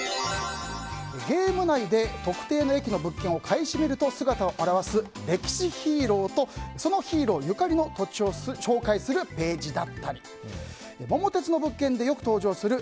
ゲーム内で特定の駅の物件を買い占めると姿を現す歴史ヒーローとそのヒーローゆかりの土地を紹介するページだったり「桃鉄」の物件でよく登場する